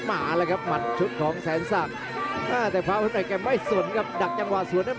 อ้าอุ้ยจังหวานนี้สวยจริงครับ